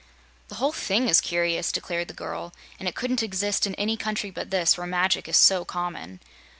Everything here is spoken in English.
"The whole thing is curious," declared the girl, "and it couldn't exist in any country but this, where magic is so common.